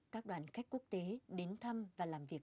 các đoàn khách quốc tế đến thăm và làm việc